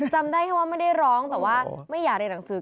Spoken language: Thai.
จำได้แค่ว่าไม่ได้ร้องแต่ว่าไม่อยากเรียนหนังสือ